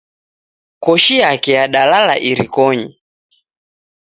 Koshi yake yadalala irikonyi.